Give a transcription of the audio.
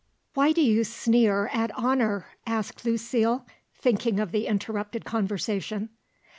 "Why do you sneer at honour?" asked Lucile, thinking of the interrupted conversation.